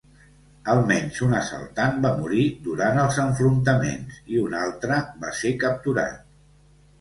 Almenys un assaltant va morir durant els enfrontaments i un altre va ser capturat.